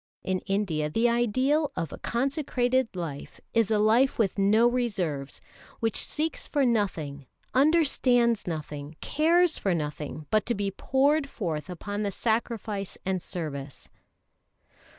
In India the ideal of a consecrated life is a life with no reserves which seeks for nothing, understands nothing, cares for nothing but to be poured forth upon the sacrifice and service.